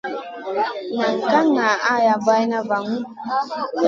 Nan ka ŋa labaɗa vanu.